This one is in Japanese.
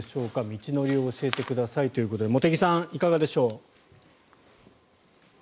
道のりを教えてくださいということで茂木さん、いかがでしょう。